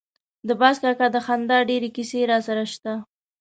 د باز کاکا د خندا ډېرې کیسې راسره شته.